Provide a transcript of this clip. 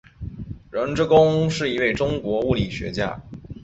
任之恭是一位中国物理学家。